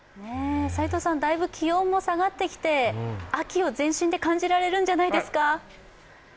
齋藤さん、だいぶ気温も下がってきて秋を全身で感じられるんじゃないですか？